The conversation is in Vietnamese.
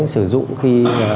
sử dụng khi